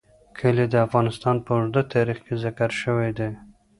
کلي د افغانستان په اوږده تاریخ کې ذکر شوی دی.